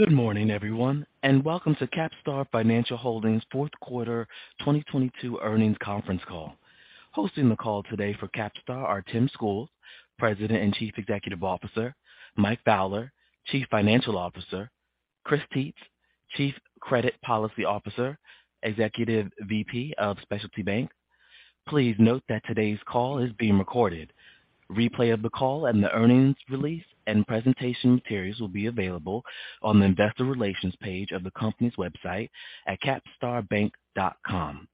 Good morning, everyone, welcome to CapStar Financial Holdings fourth quarter 2022 earnings conference call. Hosting the call today for CapStar are Tim Schools, President and Chief Executive Officer, Mike Fowler, Chief Financial Officer, Chris Tietz, Chief Credit Policy Officer, Executive VP of Specialty Bank. Please note that today's call is being recorded. Replay of the call and the earnings release and presentation materials will be available on the investor relations page of the company's website at capstarbank.com.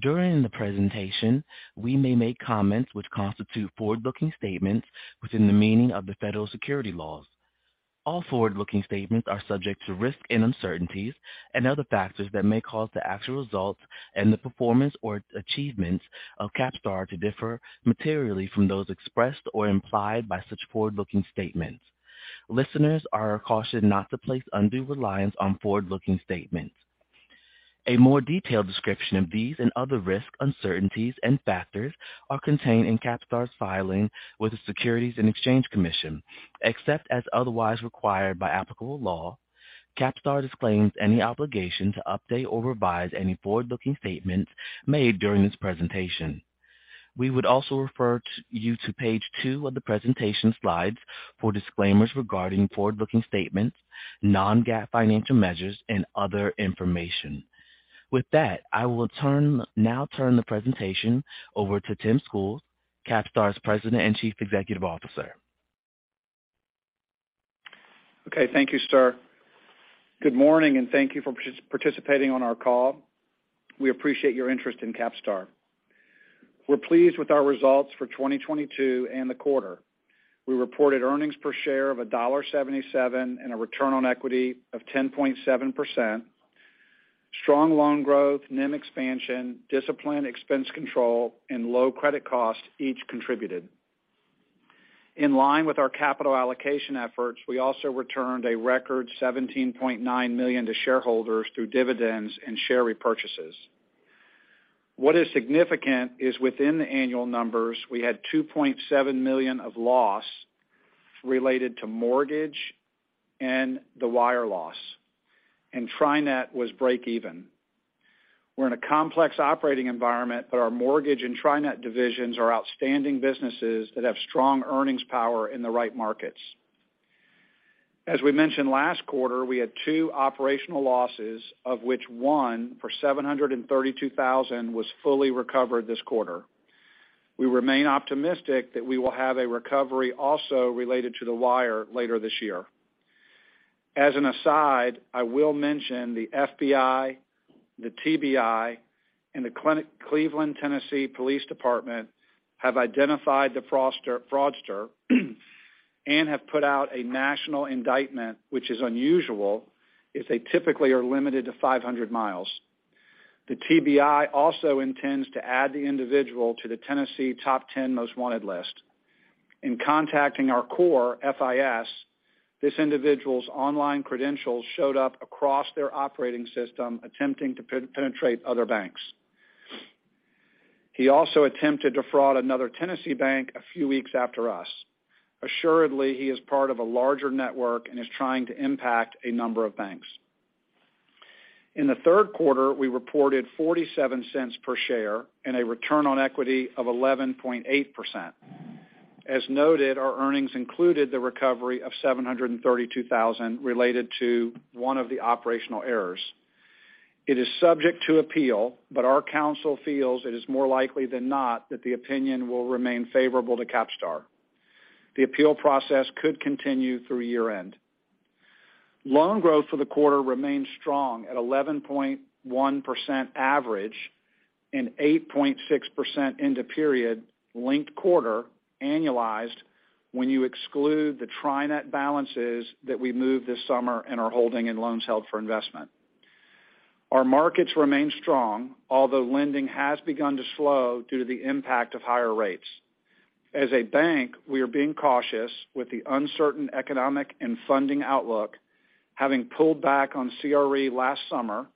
During the presentation, we may make comments which constitute forward-looking statements within the meaning of the federal securities laws. All forward-looking statements are subject to risks and uncertainties and other factors that may cause the actual results and the performance or achievements of CapStar to differ materially from those expressed or implied by such forward-looking statements. Listeners are cautioned not to place undue reliance on forward-looking statements. A more detailed description of these and other risks, uncertainties and factors are contained in CapStar's filing with the Securities and Exchange Commission. Except as otherwise required by applicable law, CapStar disclaims any obligation to update or revise any forward-looking statements made during this presentation. We would also refer you to page two of the presentation slides for disclaimers regarding forward-looking statements, non-GAAP financial measures, and other information. With that, I will now turn the presentation over to Tim Schools, CapStar's President and Chief Executive Officer. Okay. Thank you, sir. Good morning, and thank you for participating on our call. We appreciate your interest in CapStar. We're pleased with our results for 2022 and the quarter. We reported earnings per share of $1.77 and a return on equity of 10.7%. Strong loan growth, NIM expansion, disciplined expense control, and low credit costs each contributed. In line with our capital allocation efforts, we also returned a record $17.9 million to shareholders through dividends and share repurchases. What is significant is within the annual numbers, we had $2.7 million of loss related to mortgage and the wire loss, and Tri-Net was breakeven. We're in a complex operating environment, but our mortgage and Tri-Net divisions are outstanding businesses that have strong earnings power in the right markets. As we mentioned last quarter, we had two operational losses, of which one, for $732,000, was fully recovered this quarter. We remain optimistic that we will have a recovery also related to the wire later this year. I will mention the FBI, the TBI, and the Cleveland, Tennessee Police Department have identified the fraudster and have put out a national indictment, which is unusual, as they typically are limited to 500 mi. The TBI also intends to add the individual to the Tennessee Top 10 Most Wanted list. In contacting our core, FIS, this individual's online credentials showed up across their operating system attempting to penetrate other banks. He also attempted to fraud another Tennessee bank a few weeks after us. Assuredly, he is part of a larger network and is trying to impact a number of banks. In the third quarter, we reported $0.47 per share and a return on equity of 11.8%. As noted, our earnings included the recovery of $732,000 related to one of the operational errors. It is subject to appeal, but our counsel feels it is more likely than not that the opinion will remain favorable to CapStar. The appeal process could continue through year-end. Loan growth for the quarter remains strong at 11.1% average and 8.6% end of period linked quarter annualized when you exclude the Tri-Net balances that we moved this summer and are holding in loans held for investment. Our markets remain strong, although lending has begun to slow due to the impact of higher rates. As a bank, we are being cautious with the uncertain economic and funding outlook, having pulled back on CRE last summer,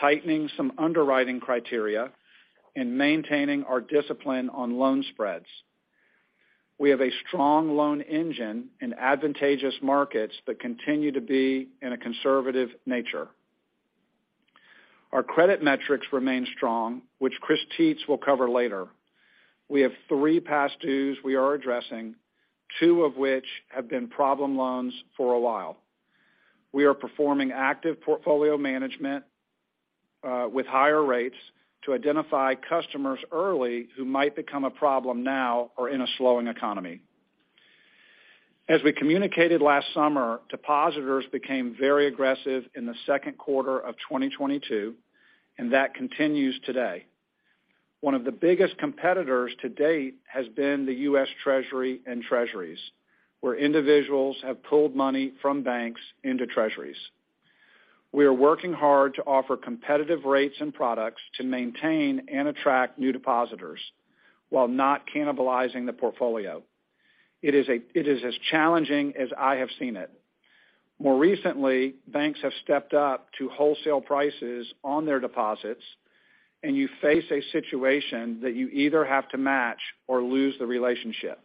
tightening some underwriting criteria and maintaining our discipline on loan spreads. We have a strong loan engine in advantageous markets but continue to be in a conservative nature. Our credit metrics remain strong, which Chris Tietz will cover later. We have three past dues we are addressing, two of which have been problem loans for a while. We are performing active portfolio management with higher rates to identify customers early who might become a problem now or in a slowing economy. As we communicated last summer, depositors became very aggressive in the second quarter of 2022, and that continues today. One of the biggest competitors to date has been the U.S. Treasury and Treasuries, where individuals have pulled money from banks into Treasuries. We are working hard to offer competitive rates and products to maintain and attract new depositors while not cannibalizing the portfolio. It is as challenging as I have seen it. More recently, banks have stepped up to wholesale prices on their deposits. You face a situation that you either have to match or lose the relationship.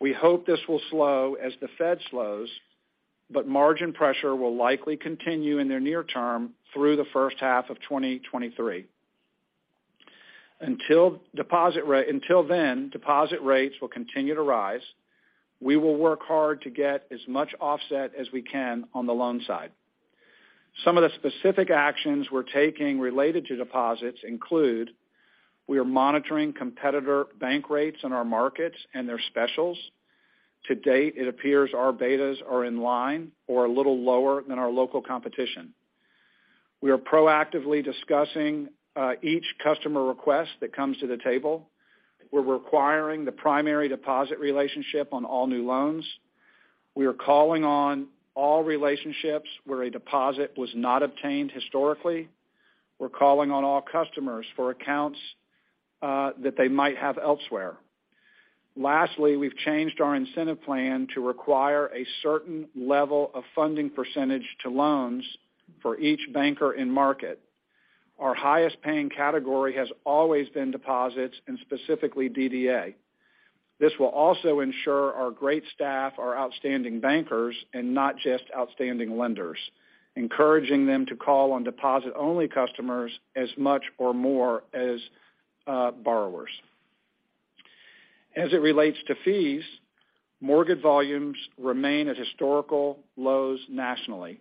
We hope this will slow as the Fed slows. Margin pressure will likely continue in the near term through the first half of 2023. Until then, deposit rates will continue to rise. We will work hard to get as much offset as we can on the loan side. Some of the specific actions we're taking related to deposits include: we are monitoring competitor bank rates in our markets and their specials. To date, it appears our betas are in line or a little lower than our local competition. We are proactively discussing each customer request that comes to the table. We're requiring the primary deposit relationship on all new loans. We are calling on all relationships where a deposit was not obtained historically. We're calling on all customers for accounts that they might have elsewhere. Lastly, we've changed our incentive plan to require a certain level of funding percentage to loans for each banker in market. Our highest paying category has always been deposits and specifically DDA. This will also ensure our great staff are outstanding bankers and not just outstanding lenders, encouraging them to call on deposit-only customers as much or more as borrowers. As it relates to fees, mortgage volumes remain at historical lows nationally.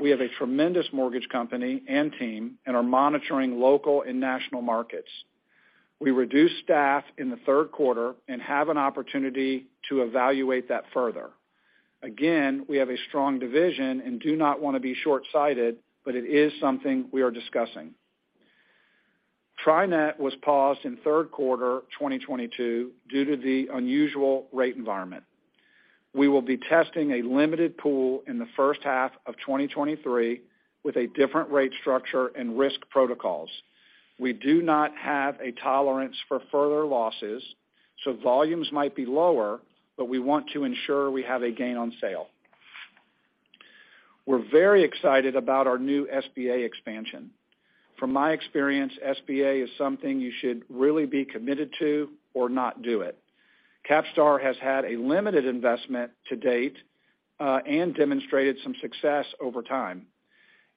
We have a tremendous mortgage company and team and are monitoring local and national markets. We reduced staff in the third quarter and have an opportunity to evaluate that further. Again, we have a strong division and do not wanna be short-sighted, but it is something we are discussing. Tri-Net was paused in third quarter 2022 due to the unusual rate environment. We will be testing a limited pool in the first half of 2023 with a different rate structure and risk protocols. We do not have a tolerance for further losses, so volumes might be lower, but we want to ensure we have a gain on sale. We're very excited about our new SBA expansion. From my experience, SBA is something you should really be committed to or not do it. CapStar has had a limited investment to date, and demonstrated some success over time.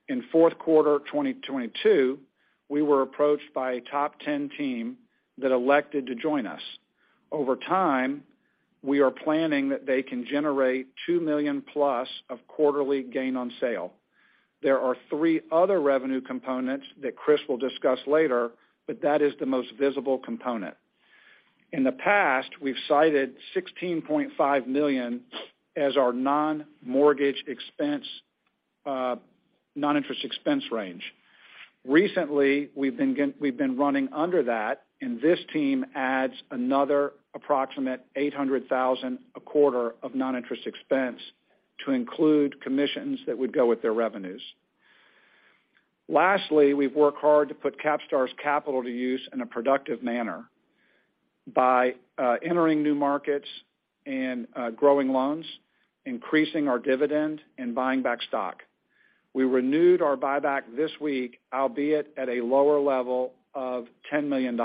In fourth quarter 2022, we were approached by a top 10 team that elected to join us. Over time, we are planning that they can generate $2 million+ of quarterly gain on sale. There are three other revenue components that Chris will discuss later, but that is the most visible component. In the past, we've cited $16.5 million as our non-mortgage expense, non-interest expense range. Recently, we've been running under that, and this team adds another approximate $800,000 a quarter of non-interest expense to include commissions that would go with their revenues. Lastly, we've worked hard to put CapStar's capital to use in a productive manner by entering new markets and growing loans, increasing our dividend, and buying back stock. We renewed our buyback this week, albeit at a lower level of $10 million.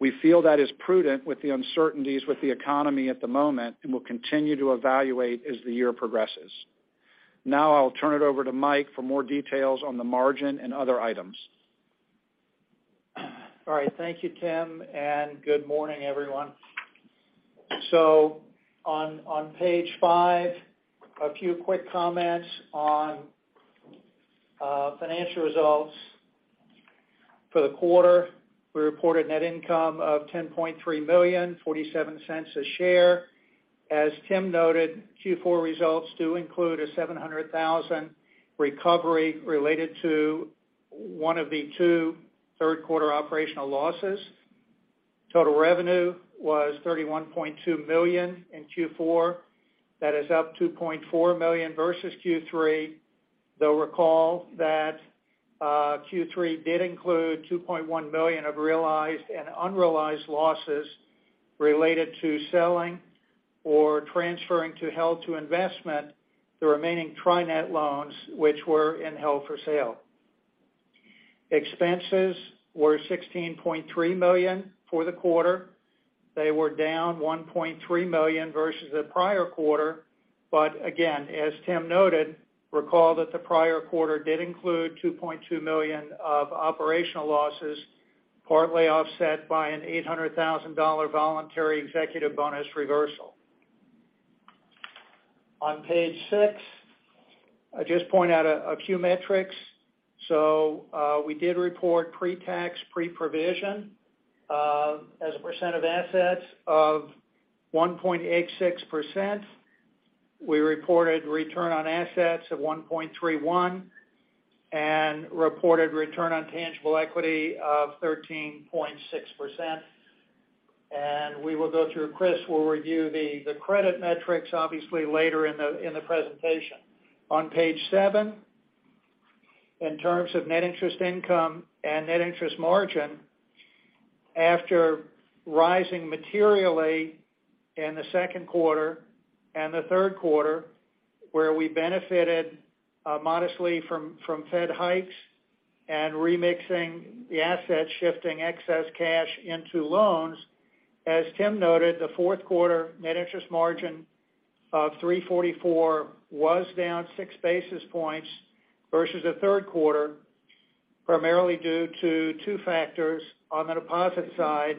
We feel that is prudent with the uncertainties with the economy at the moment and will continue to evaluate as the year progresses. I'll turn it over to Mike for more details on the margin and other items. All right. Thank you, Tim, and good morning, everyone. On page five, a few quick comments on financial results. For the quarter, we reported net income of $10.3 million, $0.47 a share. As Tim noted, Q4 results do include a $700,000 recovery related to one of the two third quarter operational losses. Total revenue was $31.2 million in Q4. That is up $2.4 million versus Q3. You'll recall that Q3 did include $2.1 million of realized and unrealized losses related to selling or transferring to held for investment the remaining Tri-Net loans which were in held for sale. Expenses were $16.3 million for the quarter. They were down $1.3 million versus the prior quarter. Again, as Tim noted, recall that the prior quarter did include $2.2 million of operational losses, partly offset by an $800,000 voluntary executive bonus reversal. On page six, I just point out a few metrics. We did report pre-tax, pre-provision as a percent of assets of 1.86%. We reported return on assets of 1.31 and reported return on tangible equity of 13.6%. We will go through, Chris will review the credit metrics obviously later in the presentation. On page seven, in terms of net interest income and net interest margin. After rising materially in the second quarter and the third quarter, where we benefited modestly from Fed hikes and remixing the assets, shifting excess cash into loans. As Tim noted, the fourth quarter net interest margin of 3.44% was down 6 basis points versus the third quarter, primarily due to two factors on the deposit side.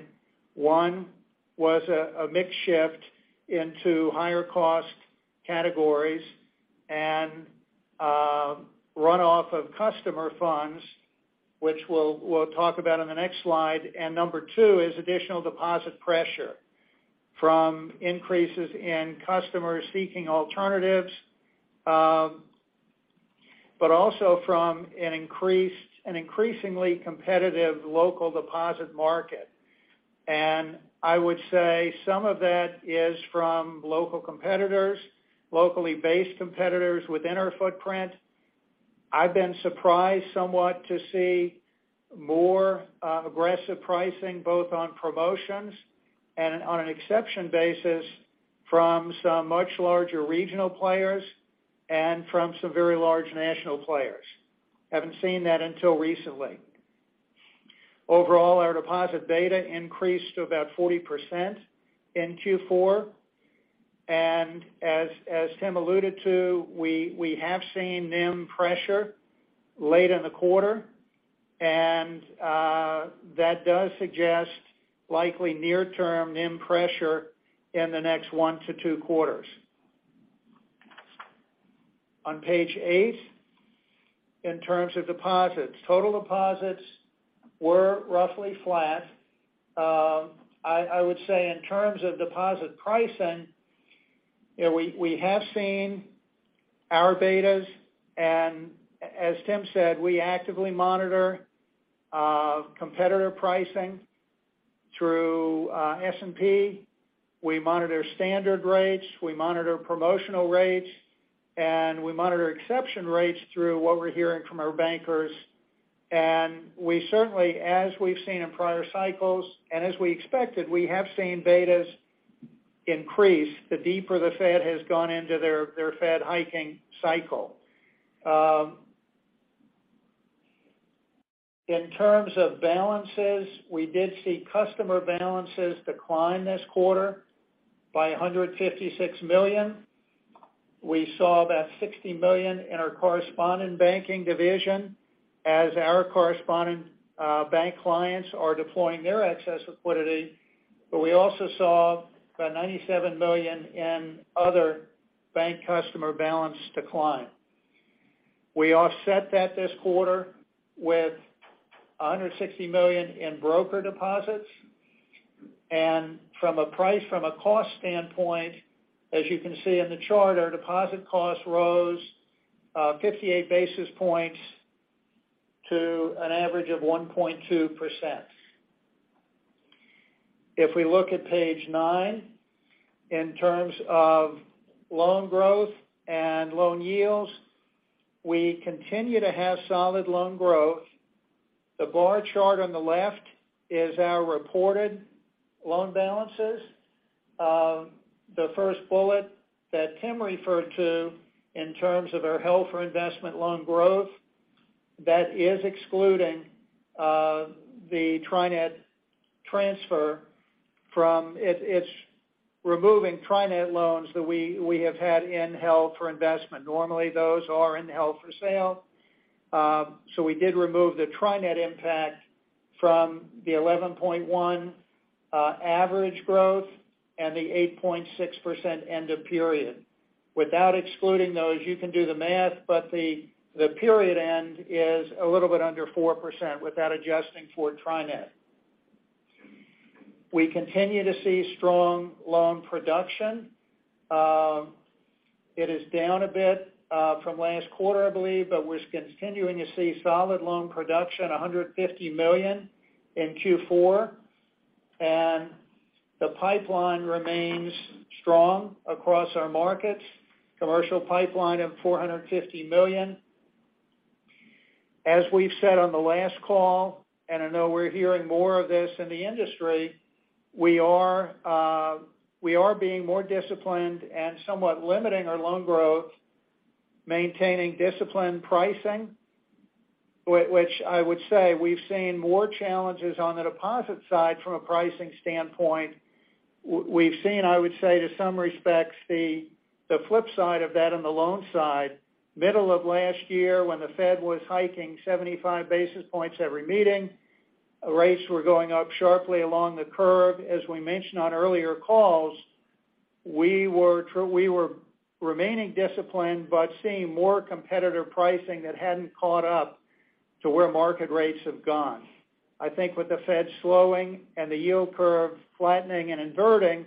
One, was a mix shift into higher cost categories and runoff of customer funds, which we'll talk about on the next slide. Number two is additional deposit pressure from increases in customers seeking alternatives, but also from an increasingly competitive local deposit market. I would say some of that is from local competitors, locally based competitors within our footprint. I've been surprised somewhat to see more aggressive pricing, both on promotions and on an exception basis from some much larger regional players and from some very large national players. Haven't seen that until recently. Overall, our deposit beta increased to about 40% in Q4. As Tim alluded to, we have seen NIM pressure late in the quarter, and that does suggest likely near term NIM pressure in the next one to two quarters. On page eight, in terms of deposits. Total deposits were roughly flat. I would say in terms of deposit pricing, you know, we have seen our betas, and as Tim said, we actively monitor competitor pricing through S&P Global. We monitor standard rates, we monitor promotional rates, and we monitor exception rates through what we're hearing from our bankers. We certainly, as we've seen in prior cycles and as we expected, we have seen betas increase the deeper the Fed has gone into their Fed hiking cycle. In terms of balances, we did see customer balances decline this quarter by $156 million. We saw about $60 million in our correspondent banking division as our correspondent bank clients are deploying their excess liquidity. We also saw about $97 million in other bank customer balance decline. We offset that this quarter with $160 million in broker deposits. From a price, from a cost standpoint, as you can see in the chart, our deposit costs rose 58 basis points to an average of 1.2%. If we look at page nine, in terms of loan growth and loan yields, we continue to have solid loan growth. The bar chart on the left is our reported loan balances. The first bullet that Tim referred to in terms of our held for investment loan growth, that is excluding the Tri-Net transfer. It's removing Tri-Net loans that we have had in held for investment. Normally, those are in held for sale. So we did remove the Tri-Net impact from the 11.1 average growth and the 8.6% end of period. Without excluding those, you can do the math, but the period end is a little bit under 4% without adjusting for Tri-Net. We continue to see strong loan production. It is down a bit from last quarter, I believe, but we're continuing to see solid loan production, $150 million in Q4. The pipeline remains strong across our markets. Commercial pipeline of $450 million. As we've said on the last call, I know we're hearing more of this in the industry, we are being more disciplined and somewhat limiting our loan growth, maintaining disciplined pricing, which I would say we've seen more challenges on the deposit side from a pricing standpoint. We've seen, I would say, to some respects, the flip side of that on the loan side. Middle of last year, when the Fed was hiking 75 basis points every meeting, rates were going up sharply along the curve. As we mentioned on earlier calls, we were remaining disciplined but seeing more competitive pricing that hadn't caught up to where market rates have gone. I think with the Fed slowing and the yield curve flattening and inverting,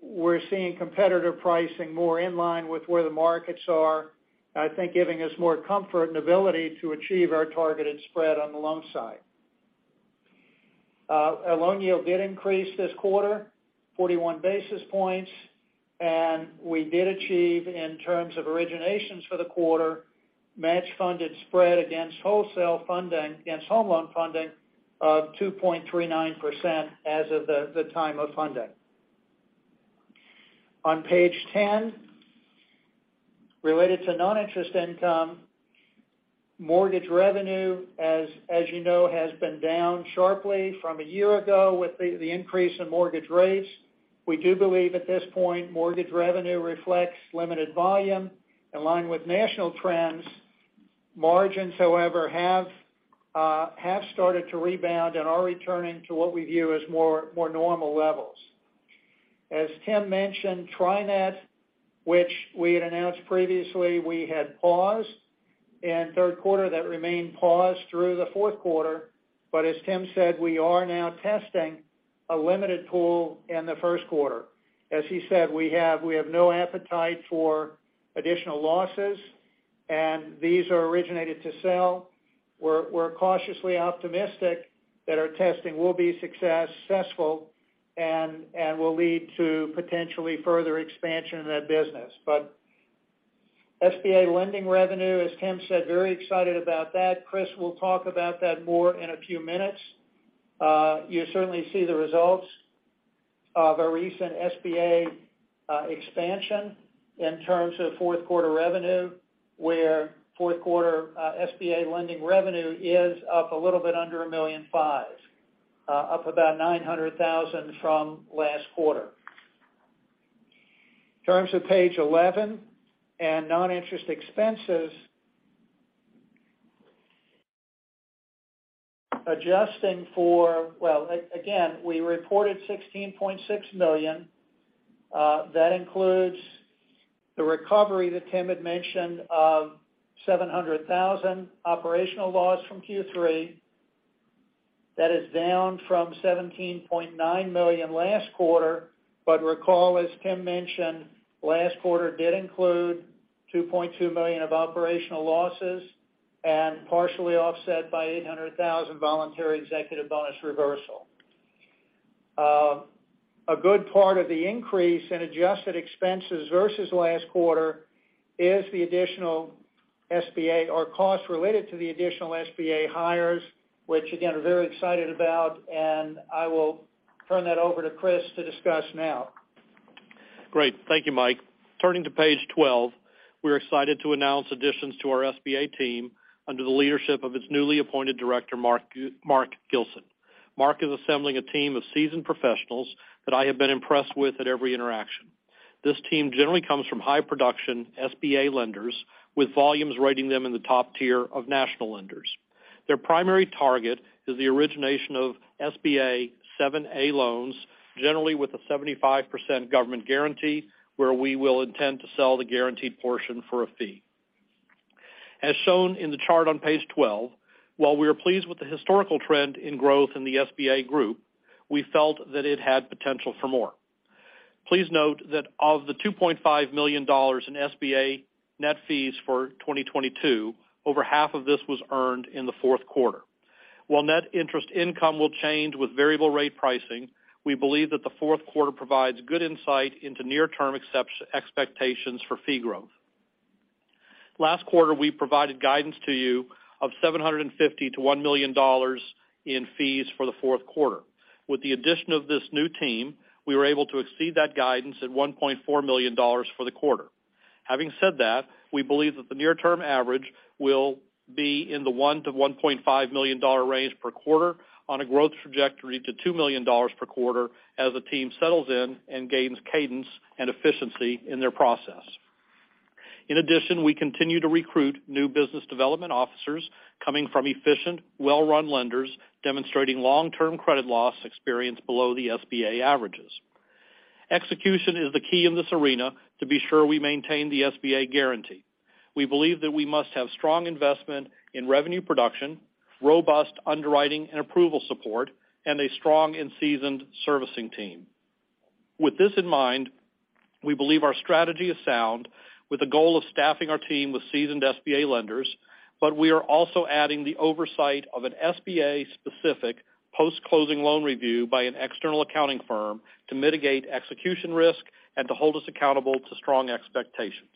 we're seeing competitive pricing more in line with where the markets are, I think giving us more comfort and ability to achieve our targeted spread on the loan side. Our loan yield did increase this quarter, 41 basis points. We did achieve in terms of originations for the quarter, match funded spread against wholesale funding against home loan funding of 2.39% as of the time of funding. On page 10, related to non-interest income, mortgage revenue, as you know, has been down sharply from a year ago with the increase in mortgage rates. We do believe at this point, mortgage revenue reflects limited volume in line with national trends. Margins, however, have started to rebound and are returning to what we view as more normal levels. As Tim mentioned, Tri-Net, which we had announced previously, we had paused. In third quarter, that remained paused through the fourth quarter. As Tim said, we are now testing a limited pool in the first quarter. As he said, we have no appetite for additional losses, and these are originated to sell. We're cautiously optimistic that our testing will be successful and will lead to potentially further expansion in that business. SBA lending revenue, as Tim said, very excited about that. Chris will talk about that more in a few minutes. You certainly see the results of a recent SBA expansion in terms of fourth quarter revenue, where fourth quarter SBA lending revenue is up a little bit under $1.5 million, up about $900,000 from last quarter. In terms of page 11 and non-interest expenses, adjusting for... Well, again, we reported $16.6 million. That includes the recovery that Tim had mentioned of $700,000 operational loss from Q3. That is down from $17.9 million last quarter. Recall, as Tim mentioned, last quarter did include $2.2 million of operational losses and partially offset by $800,000 voluntary executive bonus reversal. A good part of the increase in adjusted expenses versus last quarter is the additional SBA or costs related to the additional SBA hires, which again, we're very excited about, and I will turn that over to Chris to discuss now. Great. Thank you, Mike. Turning to page 12, we're excited to announce additions to our SBA team under the leadership of its newly appointed Director, Marc Gilson. Mark is assembling a team of seasoned professionals that I have been impressed with at every interaction. This team generally comes from high production SBA lenders with volumes rating them in the top tier of national lenders. Their primary target is the origination of SBA 7(a) loans, generally with a 75% government guarantee, where we will intend to sell the guaranteed portion for a fee. As shown in the chart on page 12, while we are pleased with the historical trend in growth in the SBA group, we felt that it had potential for more. Please note that of the $2.5 million in SBA net fees for 2022, over half of this was earned in the fourth quarter. While net interest income will change with variable rate pricing, we believe that the fourth quarter provides good insight into near-term expectations for fee growth. Last quarter, we provided guidance to you of $750,000-$1 million in fees for the fourth quarter. With the addition of this new team, we were able to exceed that guidance at $1.4 million for the quarter. Having said that, we believe that the near-term average will be in the $1 million-$1.5 million range per quarter on a growth trajectory to $2 million per quarter as the team settles in and gains cadence and efficiency in their process. In addition, we continue to recruit new business development officers coming from efficient, well-run lenders demonstrating long-term credit loss experience below the SBA averages. Execution is the key in this arena to be sure we maintain the SBA guarantee. We believe that we must have strong investment in revenue production, robust underwriting and approval support, and a strong and seasoned servicing team. With this in mind, we believe our strategy is sound with the goal of staffing our team with seasoned SBA lenders, but we are also adding the oversight of an SBA specific post-closing loan review by an external accounting firm to mitigate execution risk and to hold us accountable to strong expectations.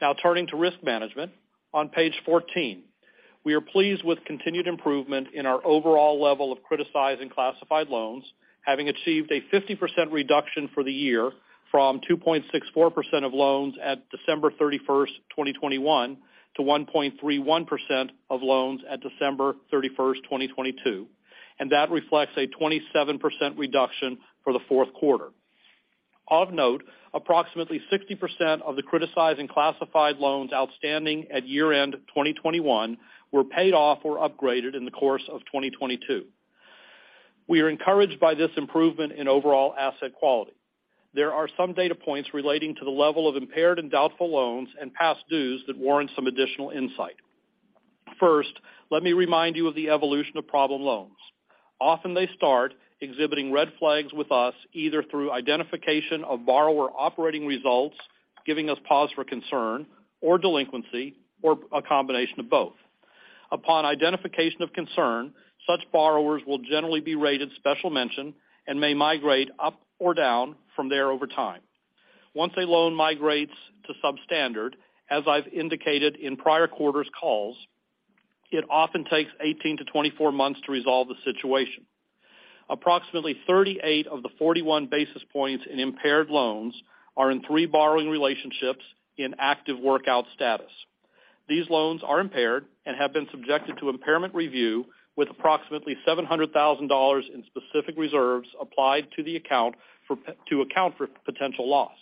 Now, turning to risk management on page 14. We are pleased with continued improvement in our overall level of criticizing classified loans, having achieved a 50% reduction for the year from 2.64% of loans at December 31st, 2021, to 1.31% of loans at December 31st, 2022. That reflects a 27% reduction for the fourth quarter. Of note, approximately 60% of the criticizing classified loans outstanding at year-end 2021 were paid off or upgraded in the course of 2022. We are encouraged by this improvement in overall asset quality. There are some data points relating to the level of impaired and doubtful loans and past dues that warrant some additional insight. First, let me remind you of the evolution of problem loans. Often they start exhibiting red flags with us, either through identification of borrower operating results, giving us pause for concern or delinquency or a combination of both. Upon identification of concern, such borrowers will generally be rated special mention and may migrate up or down from there over time. Once a loan migrates to substandard, as I've indicated in prior quarters calls, it often takes 18-24 months to resolve the situation. Approximately 38 of the 41 basis points in impaired loans are in three borrowing relationships in active workout status. These loans are impaired and have been subjected to impairment review with approximately $700,000 in specific reserves applied to account for potential loss.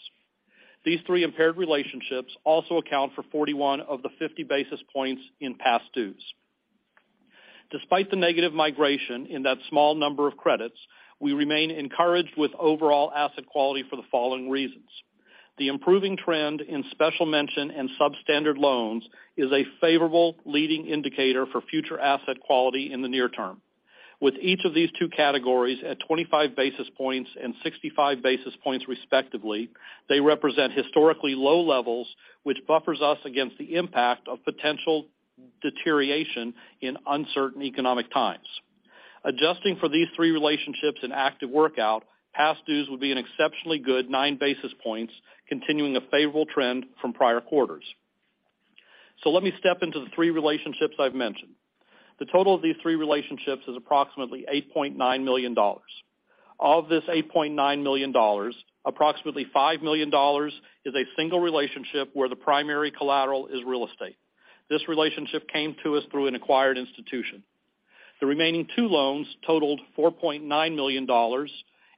These three impaired relationships also account for 41 of the 50 basis points in past dues. Despite the negative migration in that small number of credits, we remain encouraged with overall asset quality for the following reasons. The improving trend in special mention and substandard loans is a favorable leading indicator for future asset quality in the near term. With each of these two categories at 25 basis points and 65 basis points respectively, they represent historically low levels, which buffers us against the impact of potential deterioration in uncertain economic times. Adjusting for these three relationships in active workout, past dues would be an exceptionally good 9 basis points, continuing a favorable trend from prior quarters. Let me step into the three relationships I've mentioned. The total of these three relationships is approximately $8.9 million. Of this $8.9 million, approximately $5 million is a single relationship where the primary collateral is real estate. This relationship came to us through an acquired institution. The remaining two loans totaled $4.9 million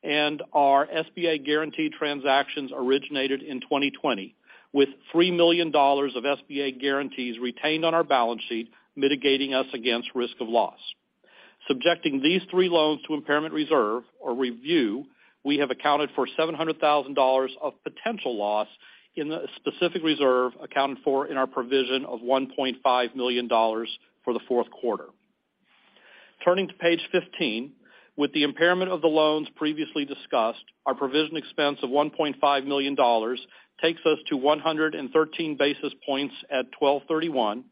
and our SBA guaranteed transactions originated in 2020, with $3 million of SBA guarantees retained on our balance sheet, mitigating us against risk of loss. Subjecting these three loans to impairment reserve or review, we have accounted for $700,000 of potential loss in the specific reserve accounted for in our provision of $1.5 million for the fourth quarter. Turning to page 15, with the impairment of the loans previously discussed, our provision expense of $1.5 million takes us to 113 basis points at 12/31,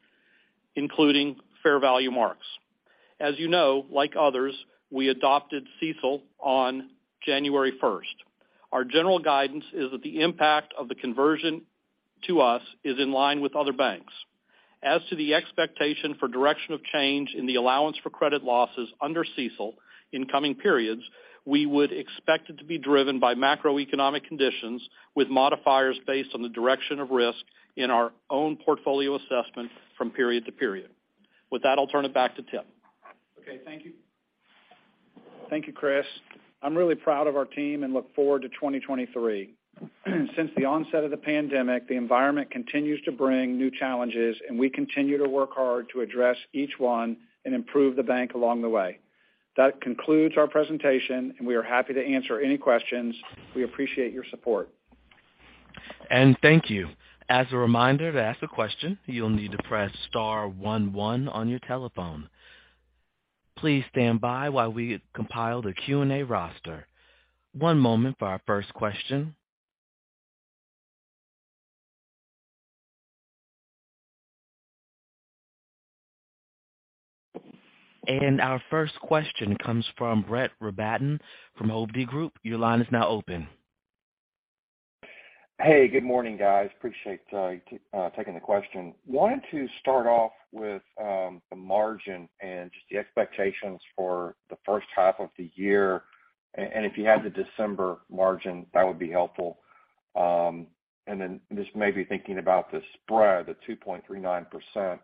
including fair value marks. As you know, like others, we adopted CECL on January 1st. Our general guidance is that the impact of the conversion to us is in line with other banks. As to the expectation for direction of change in the allowance for credit losses under CECL in coming periods, we would expect it to be driven by macroeconomic conditions with modifiers based on the direction of risk in our own portfolio assessment from period to period. With that, I'll turn it back to Tim. Okay, thank you. Thank you, Chris. I'm really proud of our team and look forward to 2023. Since the onset of the pandemic, the environment continues to bring new challenges, and we continue to work hard to address each one and improve the bank along the way. That concludes our presentation, and we are happy to answer any questions. We appreciate your support. Thank you. As a reminder, to ask a question, you'll need to press star one one on your telephone. Please stand by while we compile the Q&A roster. One moment for our first question. Our first question comes from Brett Rabatin from Hovde Group. Your line is now open. Hey, good morning, guys. Appreciate taking the question. Wanted to start off with the margin and just the expectations for the first half of the year. If you had the December margin, that would be helpful. Then just maybe thinking about the spread, the 2.39%,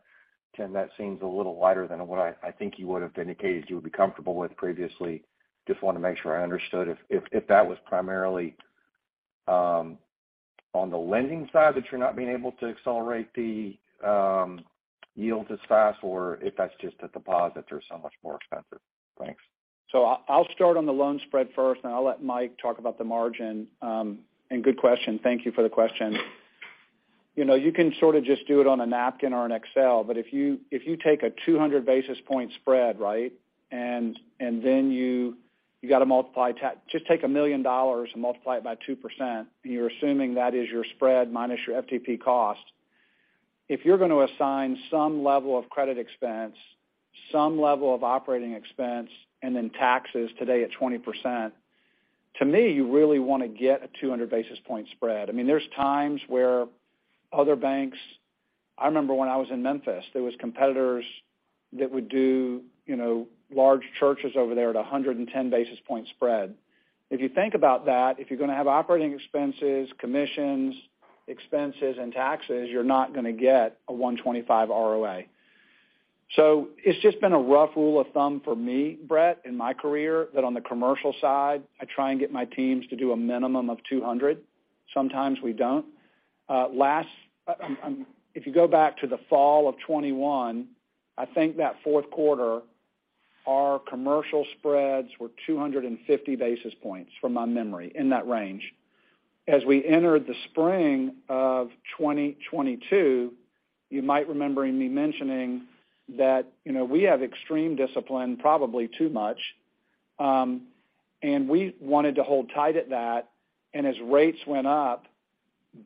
Tim, that seems a little lighter than what I think you would have indicated you would be comfortable with previously. Just wanna make sure I understood if that was primarily on the lending side that you're not being able to accelerate the yield as fast or if that's just the deposits are so much more expensive. Thanks. I'll start on the loan spread first, and I'll let Mike talk about the margin. Good question. Thank you for the question. You know, you can sort of just do it on a napkin or an Excel, but if you take a 200 basis point spread, right, and then you got to multiply, just take $1 million and multiply it by 2%, and you're assuming that is your spread minus your FTP cost. If you're gonna assign some level of credit expense, some level of operating expense, and then taxes today at 20%, to me, you really wanna get a 200 basis point spread. I mean, there's times where other banks... I remember when I was in Memphis, there was competitors that would do, you know, large churches over there at 110 basis point spread. If you think about that, if you're gonna have operating expenses, commissions, expenses, and taxes, you're not gonna get a 125 ROA. It's just been a rough rule of thumb for me, Brett, in my career that on the commercial side, I try and get my teams to do a minimum of 200. Sometimes we don't. Last, if you go back to the fall of 2021, I think that fourth quarter, our commercial spreads were 250 basis points from my memory, in that range. As we entered the spring of 2022, you might remember me mentioning that, you know, we have extreme discipline, probably too much, we wanted to hold tight at that. As rates went up,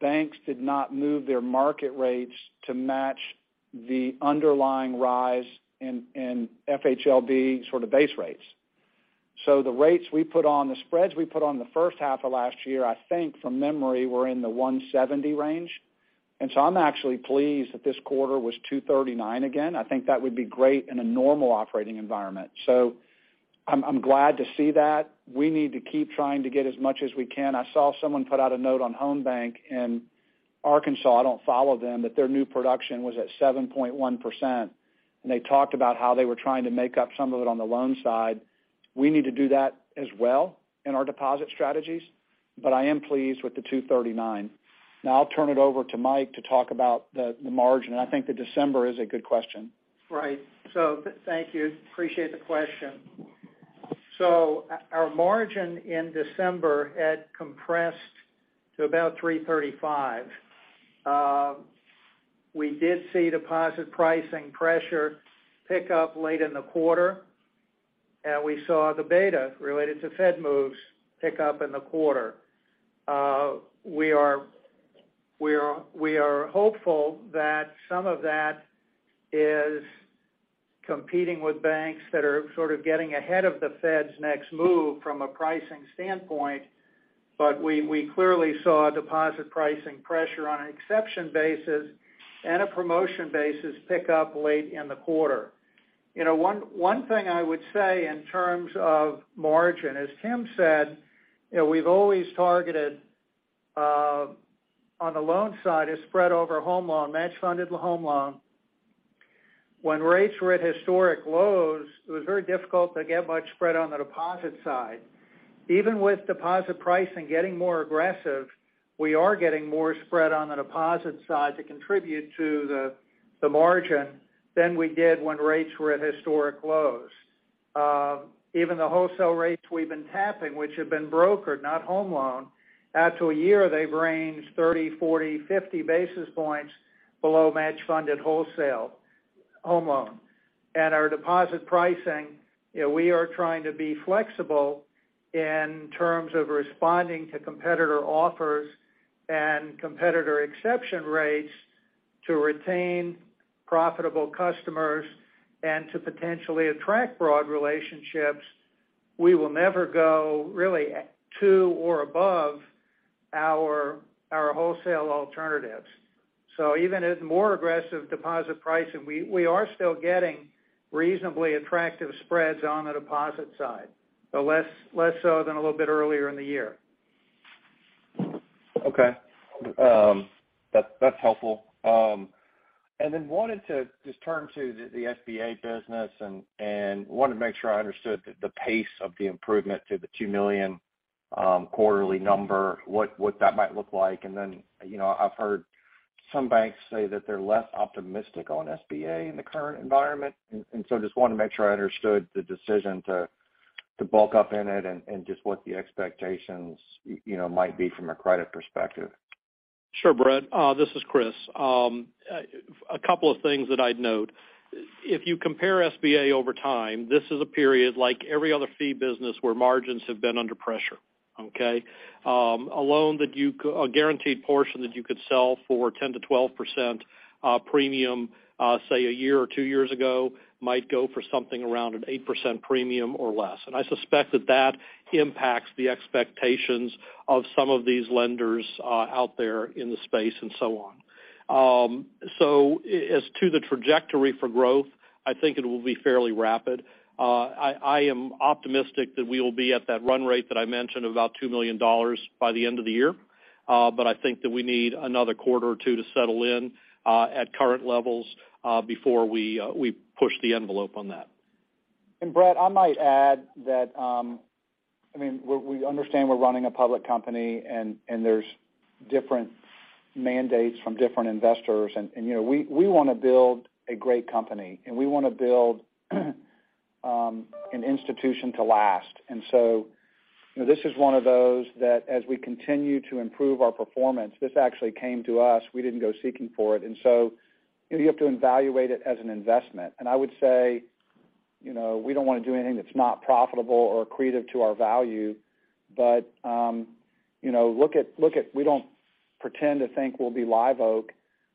Banks did not move their market rates to match the underlying rise in FHLB sort of base rates. The rates we put on, the spreads we put on the first half of last year, I think from memory, were in the 170 range. I'm actually pleased that this quarter was 239 again. I think that would be great in a normal operating environment. I'm glad to see that. We need to keep trying to get as much as we can. I saw someone put out a note on Home BancShares in Arkansas. I don't follow them, their new production was at 7.1%. They talked about how they were trying to make up some of it on the loan side. We need to do that as well in our deposit strategies, I am pleased with the 239. Now, I'll turn it over to Mike to talk about the margin. I think the December is a good question. Right. Thank you. Appreciate the question. Our margin in December had compressed to about 3.35%. We did see deposit pricing pressure pick up late in the quarter. We saw the beta related to Fed moves pick up in the quarter. We are hopeful that some of that is competing with banks that are sort of getting ahead of the Fed's next move from a pricing standpoint. We, we clearly saw deposit pricing pressure on an exception basis and a promotion basis pick up late in the quarter. You know, one thing I would say in terms of margin, as Tim said, you know, we've always targeted on the loan side, a spread over home loan, match funded home loan. When rates were at historic lows, it was very difficult to get much spread on the deposit side. Even with deposit pricing getting more aggressive, we are getting more spread on the deposit side to contribute to the margin than we did when rates were at historic lows. Even the wholesale rates we've been tapping, which have been brokered, not home loan, out to a year, they've ranged 30, 40, 50 basis points below match funded wholesale home loan. Our deposit pricing, you know, we are trying to be flexible in terms of responding to competitor offers and competitor exception rates to retain profitable customers and to potentially attract broad relationships. We will never go really to or above our wholesale alternatives. Even at more aggressive deposit pricing, we are still getting reasonably attractive spreads on the deposit side, but less so than a little bit earlier in the year. Okay. That's helpful. Wanted to just turn to the SBA business and wanted to make sure I understood the pace of the improvement to the $2 million quarterly number, what that might look like. You know, I've heard some banks say that they're less optimistic on SBA in the current environment. Just wanted to make sure I understood the decision to bulk up in it and just what the expectations, you know, might be from a credit perspective. Sure, Brett. This is Chris. A couple of things that I'd note. If you compare SBA over time, this is a period like every other fee business where margins have been under pressure. Okay. A guaranteed portion that you could sell for 10% to 12% premium, say a year or two years ago, might go for something around an 8% premium or less. I suspect that that impacts the expectations of some of these lenders out there in the space and so on. As to the trajectory for growth, I think it will be fairly rapid. I am optimistic that we will be at that run rate that I mentioned, about $2 million by the end of the year. I think that we need another quarter or two to settle in, at current levels, before we push the envelope on that. Brett, I might add that, I mean, we understand we're running a public company and there's different mandates from different investors. You know, we wanna build a great company and we wanna build an institution to last. You know, this is one of those that as we continue to improve our performance, this actually came to us. We didn't go seeking for it. You know, you have to evaluate it as an investment. I would say, you know, we don't wanna do anything that's not profitable or accretive to our value. You know, look at. We don't pretend to think we'll be Live Oak,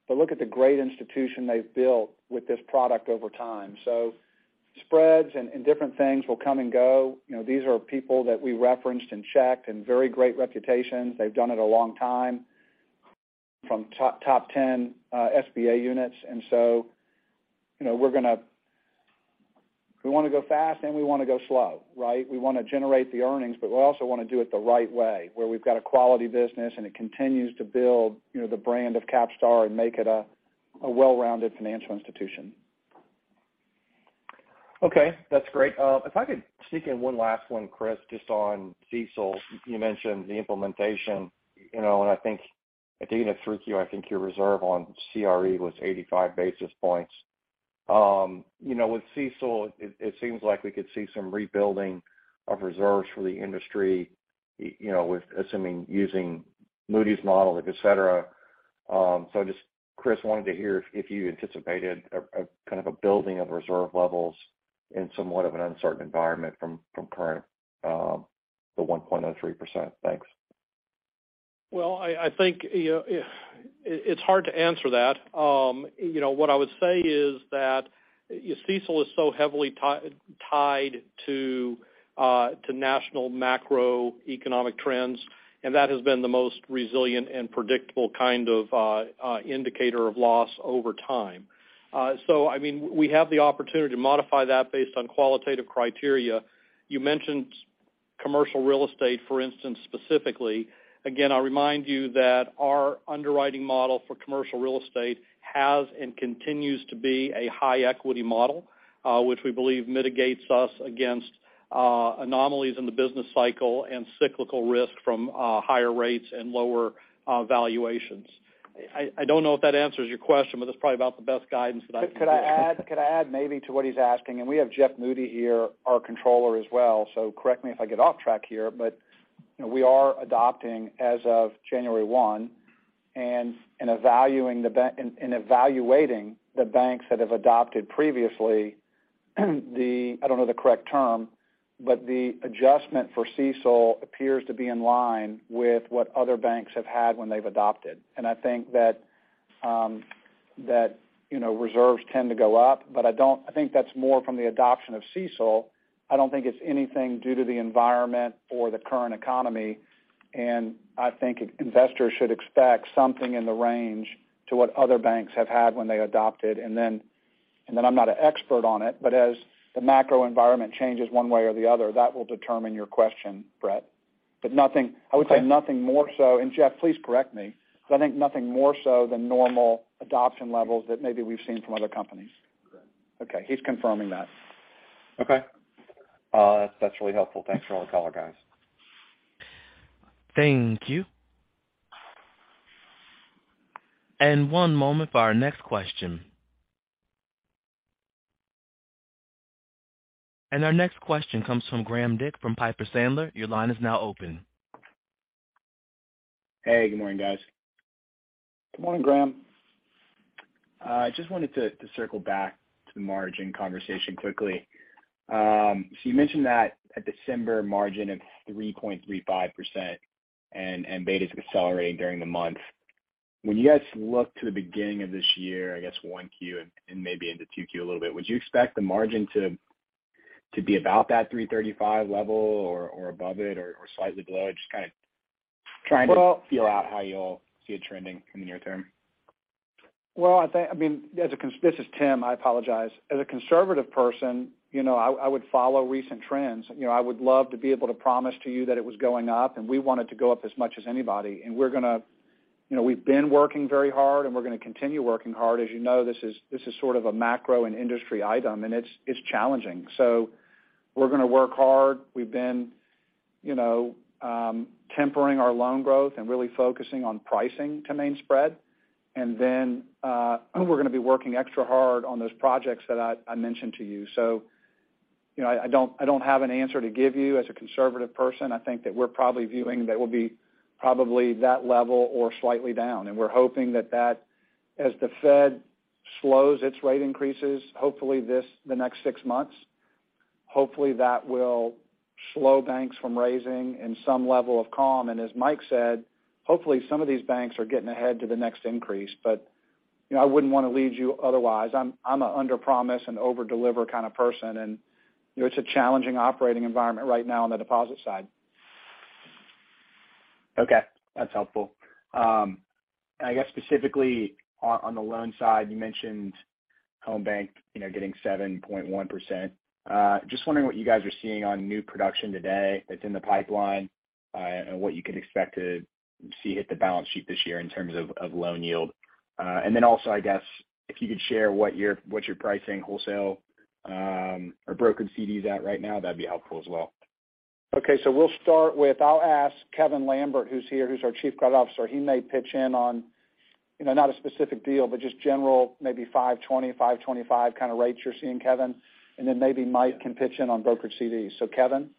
but look at the great institution they've built with this product over time. Spreads and different things will come and go. You know, these are people that we referenced and checked and very great reputations. They've done it a long time, from top 10 SBA units. You know, We wanna go fast and we wanna go slow, right? We wanna generate the earnings, but we also wanna do it the right way, where we've got a quality business and it continues to build, you know, the brand of CapStar and make it a well-rounded financial institution. Okay, that's great. If I could sneak in one last one, Chris, just on CECL. You mentioned the implementation, you know. I think at the end of 3Q, I think your reserve on CRE was 85 basis points. You know, with CECL, it seems like we could see some rebuilding of reserves for the industry, you know, with assuming using Moody's model, et cetera. Just, Chris, wanted to hear if you anticipated a kind of a building of reserve levels in somewhat of an uncertain environment from current, the 1.03%. Thanks. Well, I think, you know, it's hard to answer that. You know, what I would say is that CECL is so heavily tied to national macroeconomic trends, that has been the most resilient and predictable kind of indicator of loss over time. I mean, we have the opportunity to modify that based on qualitative criteria. You mentioned commercial real estate, for instance, specifically. Again, I'll remind you that our underwriting model for commercial real estate has and continues to be a high equity model, which we believe mitigates us against anomalies in the business cycle and cyclical risk from higher rates and lower valuations. I don't know if that answers your question, that's probably about the best guidance that I can give. Could I add maybe to what he's asking? We have Jeff Moody here, our controller as well, so correct me if I get off track here. You know, we are adopting as of January 1 and evaluating the banks that have adopted previously, the... I don't know the correct term, but the adjustment for CECL appears to be in line with what other banks have had when they've adopted. I think that, you know, reserves tend to go up, but I don't think that's more from the adoption of CECL. I don't think it's anything due to the environment or the current economy, I think investors should expect something in the range to what other banks have had when they adopted. I'm not an expert on it, but as the macro environment changes one way or the other, that will determine your question, Brett. Nothing- Okay. I would say nothing more so, Jeff, please correct me, but I think nothing more so than normal adoption levels that maybe we've seen from other companies. Correct. Okay, he's confirming that. Okay. That's really helpful. Thanks for all the color, guys. Thank you. One moment for our next question. Our next question comes from Graham Dick from Piper Sandler. Your line is now open. Hey, good morning, guys. Good morning, Graham. Just wanted to circle back to the margin conversation quickly. You mentioned that a December margin of 3.35% and betas were accelerating during the month. When you guys look to the beginning of this year, I guess 1Q and maybe into 2Q a little bit, would you expect the margin to be about that 335 level or above it or slightly below it? Just kind of trying to feel out how you all see it trending in the near term. Well, I mean, this is Tim. I apologize. As a conservative person, you know, I would follow recent trends. You know, I would love to be able to promise to you that it was going up, we want it to go up as much as anybody. You know, we've been working very hard, we're gonna continue working hard. As you know, this is sort of a macro and industry item, it's challenging. We're gonna work hard. We've been, you know, tempering our loan growth and really focusing on pricing to main spread. We're gonna be working extra hard on those projects that I mentioned to you. You know, I don't have an answer to give you. As a conservative person, I think that we're probably viewing that we'll be probably that level or slightly down. We're hoping that, as the Fed slows its rate increases, hopefully this, the next six months, hopefully that will slow banks from raising and some level of calm. As Mike said, hopefully some of these banks are getting ahead to the next increase. You know, I wouldn't wanna lead you otherwise. I'm a underpromise and overdeliver kind of person. You know, it's a challenging operating environment right now on the deposit side. Okay. That's helpful. I guess, specifically on the loan side, you mentioned Home Banc, you know, getting 7.1%. Just wondering what you guys are seeing on new production today that's in the pipeline, what you could expect to see hit the balance sheet this year in terms of loan yield. Also, I guess, if you could share what your, what your pricing wholesale, or brokered CDs at right now, that'd be helpful as well. Okay. We'll start with, I'll ask Kevin Lambert, who's here, who's our Chief Credit Officer. He may pitch in on, you know, not a specific deal, but just general maybe 5.20%-5.25% kind of rates you're seeing, Kevin. Maybe Mike can pitch in on brokered CDs. Kevin?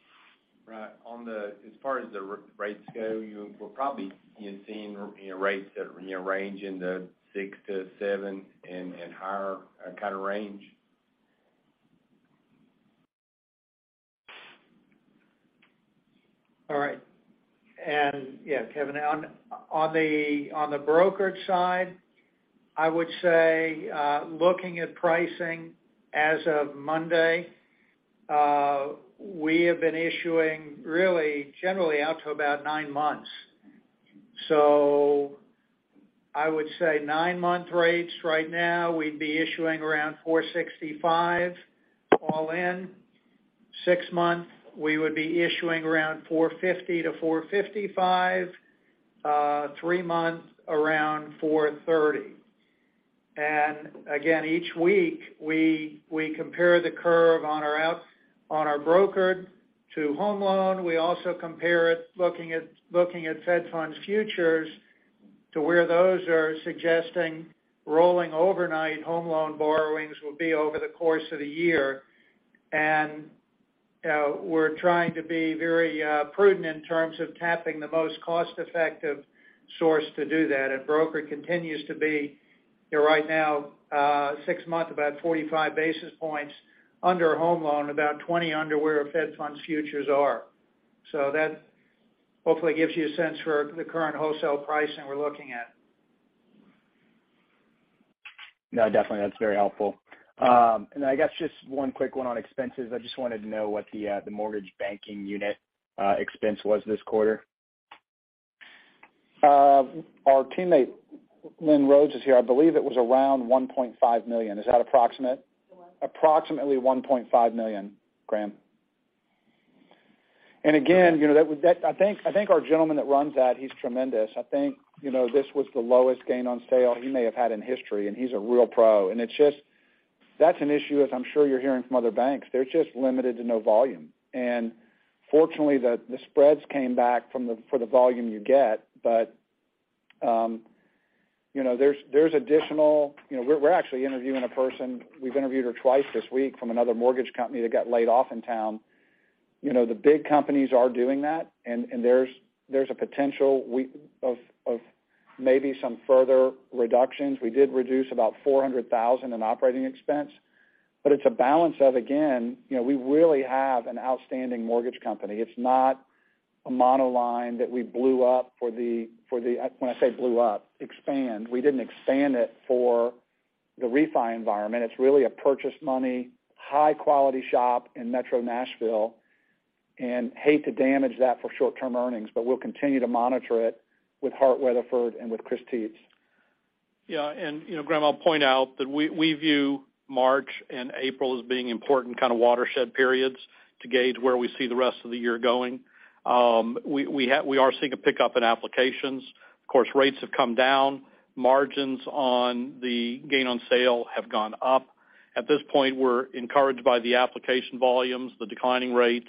Right. As far as the rates go, we're probably, you know, seeing, you know, rates that, you know, range in the 6 to 7 and higher, kind of range. All right. Yeah, Kevin, on the brokered side, I would say, we have been issuing really generally out to about nine months. I would say nine-month rates right now, we'd be issuing around 4.65% all in. Six months, we would be issuing around 4.50%-4.55%. Three months, around 4.30%. Again, each week, we compare the curve on our brokered to home loan. We also compare it looking at Fed Funds futures to where those are suggesting rolling overnight home loan borrowings will be over the course of the year. We're trying to be very prudent in terms of tapping the most cost-effective source to do that. Broker continues to be right now, Six months, about 45 basis points under home loan, about 20 under where Fed Funds futures are. That hopefully gives you a sense for the current wholesale pricing we're looking at. No, definitely. That's very helpful. I guess, just one quick one on expenses. I just wanted to know what the mortgage banking unit expense was this quarter. Our teammate Rob Rhodes is here. I believe it was around $1.5 million. Is that approximate? One. Approximately $1.5 million, Graham. Again, you know, that, I think our gentleman that runs that, he's tremendous. I think, you know, this was the lowest gain on sale he may have had in history, and he's a real pro. It's just, that's an issue, as I'm sure you're hearing from other banks. They're just limited to no volume. Fortunately, the spreads came back for the volume you get. You know, there's additional... You know, we're actually interviewing a person, we've interviewed her twice this week from another mortgage company that got laid off in town. You know, the big companies are doing that, and there's a potential of maybe some further reductions. We did reduce about $400,000 in operating expense. It's a balance of, again, you know, we really have an outstanding mortgage company. It's not a monoline that we blew up. When I say blew up, expand. We didn't expand it for the refi environment. It's really a purchase money, high-quality shop in Metro Nashville, and hate to damage that for short-term earnings, but we'll continue to monitor it with Hart Weatherford and with Chris Tietz. Yeah. You know, Graham, I'll point out that we view March and April as being important kind of watershed periods to gauge where we see the rest of the year going. We are seeing a pickup in applications. Of course, rates have come down. Margins on the gain on sale have gone up. At this point, we're encouraged by the application volumes, the declining rates,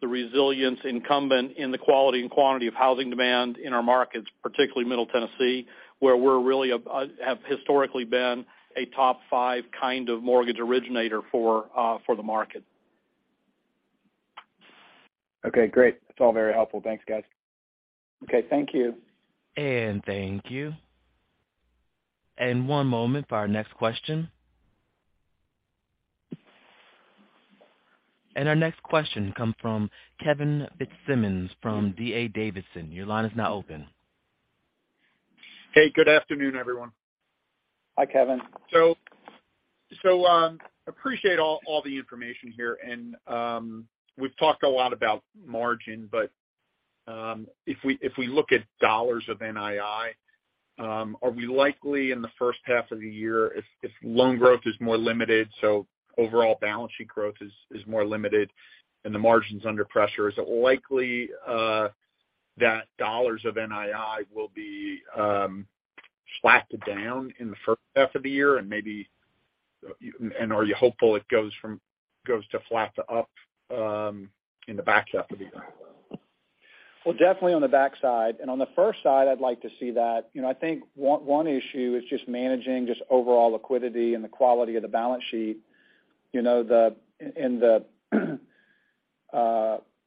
the resilience incumbent in the quality and quantity of housing demand in our markets, particularly Middle Tennessee, where we're really have historically been a top five kind of mortgage originator for the market. Okay, great. That's all very helpful. Thanks, guys. Okay, thank you. Thank you. One moment for our next question. Our next question come from Kevin Fitzsimmons from D.A. Davidson. Your line is now open. Hey, good afternoon, everyone. Hi, Kevin. Appreciate all the information here. We've talked a lot about margin, but if we look at dollars of NII, are we likely in the first half of the year if loan growth is more limited, so overall balance sheet growth is more limited and the margin's under pressure, is it likely that dollars of NII will be flat to down in the first half of the year? Maybe, and are you hopeful it goes to flat to up in the back half of the year? Well, definitely on the back side. On the first side, I'd like to see that. You know, I think one issue is just managing just overall liquidity and the quality of the balance sheet. You know, the, in the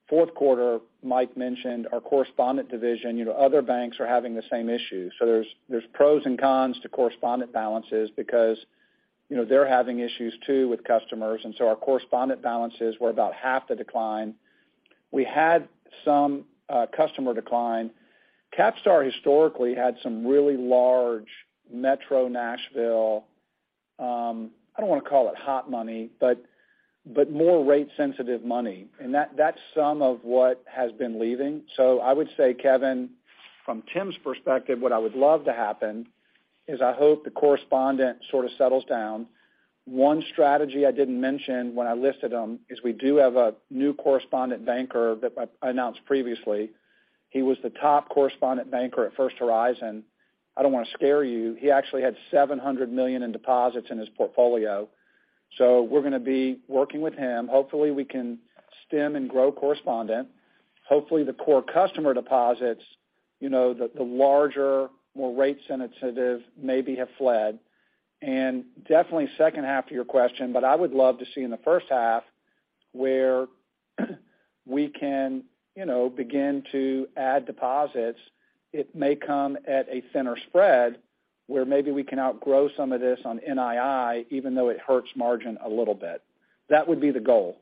fourth quarter, Mike mentioned our correspondent division, you know, other banks are having the same issue. There's pros and cons to correspondent balances because, you know, they're having issues too with customers. Our correspondent balances were about half the decline. We had some customer decline. CapStar historically had some really large Metro Nashville, I don't wanna call it hot money, but more rate sensitive money. That's some of what has been leaving. I would say, Kevin, from Tim's perspective, what I would love to happen is I hope the correspondent sort of settles down. One strategy I didn't mention when I listed them is we do have a new correspondent banker that I announced previously. He was the top correspondent banker at First Horizon. I don't wanna scare you. He actually had $700 million in deposits in his portfolio. We're gonna be working with him. Hopefully, we can stem and grow correspondent. Hopefully, the core customer deposits, you know, the larger, more rate sensitive maybe have fled. Definitely second half to your question, but I would love to see in the first half where we can, you know, begin to add deposits. It may come at a thinner spread, where maybe we can outgrow some of this on NII, even though it hurts margin a little bit. That would be the goal.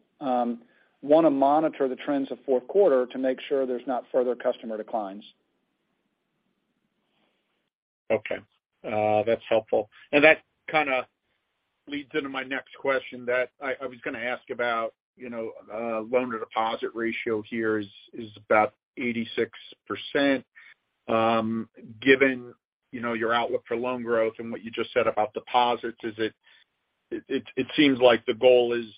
Wanna monitor the trends of fourth quarter to make sure there's not further customer declines. Okay. That's helpful. That kinda leads into my next question that I was gonna ask about, you know, loan to deposit ratio here is about 86%. Given, you know, your outlook for loan growth and what you just said about deposits, it seems like the goal is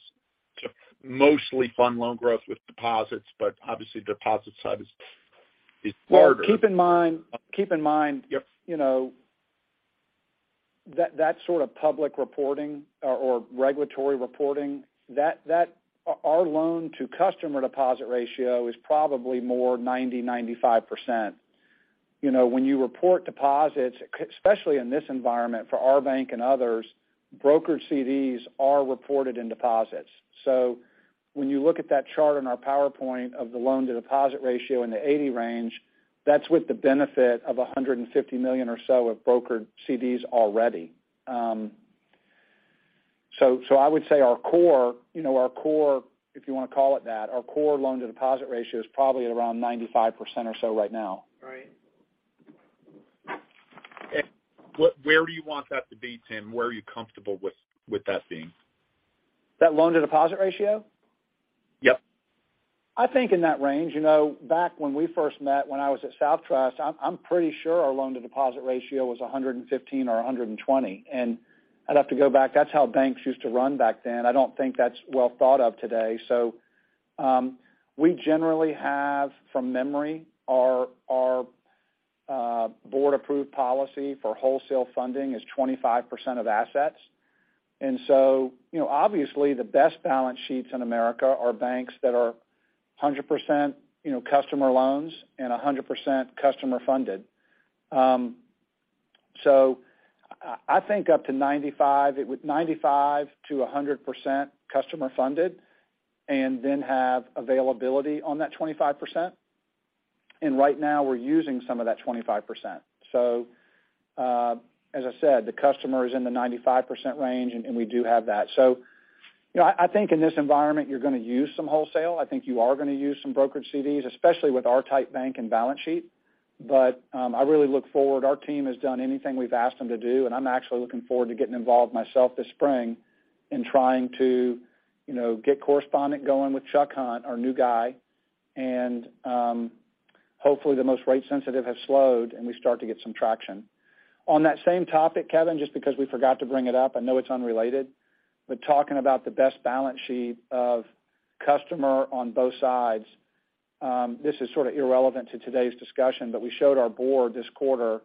to mostly fund loan growth with deposits, but obviously, deposit side is harder. Well, keep in mind. Yep. You know, that sort of public reporting or regulatory reporting, that our loan to customer deposit ratio is probably more 90%-95%. You know, when you report deposits, especially in this environment for our bank and others, brokered CDs are reported in deposits. When you look at that chart in our PowerPoint of the loan to deposit ratio in the 80 range, that's with the benefit of $150 million or so of brokered CDs already. So I would say our core, you know, our core, if you wanna call it that, our core loan to deposit ratio is probably at around 95% or so right now. Right. Where do you want that to be, Tim? Where are you comfortable with that being? That loan to deposit ratio? Yep. I think in that range. You know, back when we first met, when I was at SouthTrust, I'm pretty sure our loan to deposit ratio was 115 or 120. I'd have to go back. That's how banks used to run back then. I don't think that's well thought of today. We generally have, from memory, our board-approved policy for wholesale funding is 25% of assets. You know, obviously the best balance sheets in America are banks that are 100%, you know, customer loans and 100% customer funded. I think up to 95%, with 95%-100% customer funded and then have availability on that 25%. Right now we're using some of that 25%. As I said, the customer is in the 95% range and we do have that. You know, I think in this environment you're gonna use some wholesale. I think you are gonna use some brokered CDs, especially with our type bank and balance sheet. I really look forward. Our team has done anything we've asked them to do, and I'm actually looking forward to getting involved myself this spring in trying to, you know, get correspondent going with Chuck Hunt, our new guy, and hopefully the most rate sensitive have slowed, and we start to get some traction. On that same topic, Kevin, just because we forgot to bring it up, I know it's unrelated, but talking about the best balance sheet of customer on both sides, this is sort of irrelevant to today's discussion, but we showed our board this quarter